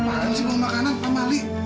makan sih belum makanan pak mali